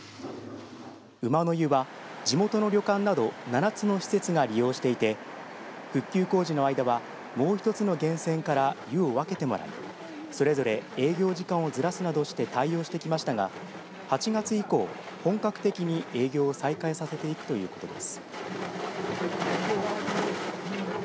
午の湯は地元の旅館など７つの施設が利用していて復旧工事の間はもう一つの源泉から湯をわけてもらいそれぞれ営業時間をずらすなどして、対応してきましたが８月以降、本格的に営業を再開させていくということです。